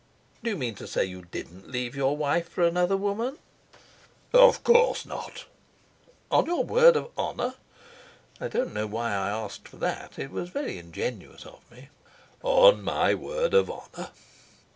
"Do you mean to say you didn't leave your wife for another woman?" "Of course not." "On your word of honour?" I don't know why I asked for that. It was very ingenuous of me. "On my word of honour."